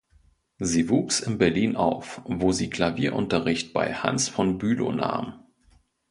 Sie wuchs in Berlin auf, wo sie Klavierunterricht bei Hans von Bülow nahm.